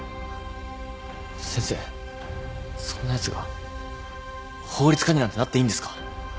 先生そんなやつが法律家になんてなっていいんですか？